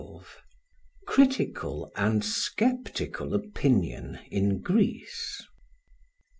Critical and Sceptical Opinion in Greece.